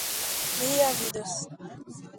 Mi ja vidas.